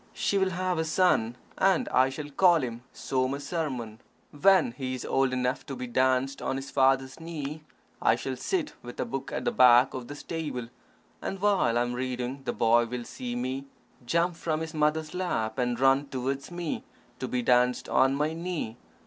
She will have a son, and I shall call him Somasarman. When he is old enough to be danced on his father's knee, I shall sit with a book at the back of the stable, and while I am reading, the boy will see me, jump from his mother's lap, and run towards me to be danced on my knee.